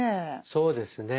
そうですね。